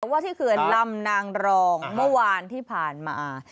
ว่าที่เขื่อนลำนางรองเมื่อวานที่ผ่านมา